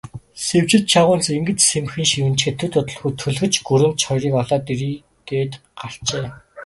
Сэвжид чавганц ингэж сэмхэн шивнэчхээд, төд удалгүй төлгөч гүрэмч хоёрыг олоод ирье гээд гарчээ.